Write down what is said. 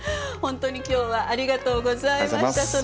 本当に今日はありがとうございました。